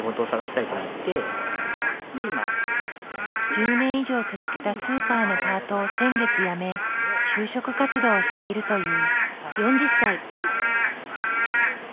１０年以上続けたスーパーのパートを先月辞め就職活動をしているという。